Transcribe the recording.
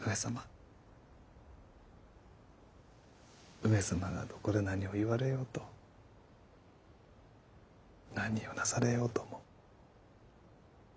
上様がどこで何を言われようと何をなされようとも。